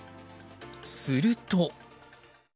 すると。